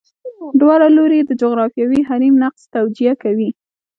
دواړه لوري یې د جغرافیوي حریم نقض توجیه کړي.